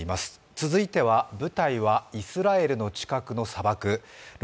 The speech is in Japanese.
続いては舞台はイスラエルの地下の砂漠。